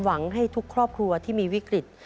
หวังให้ทุกครอบครัวที่มีวิกฤต